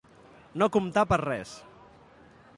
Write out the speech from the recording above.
No comptar per a res.